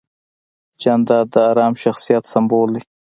جانداد د ارام شخصیت سمبول دی.